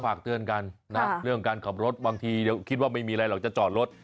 ฝากเตือนกันนะเรื่องการขับรถบางทีคิดว่าไม่มีอะไรหรอกจะจอดรถ